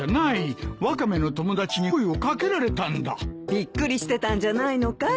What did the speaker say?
びっくりしてたんじゃないのかい？